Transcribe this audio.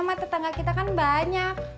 sama tetangga kita kan banyak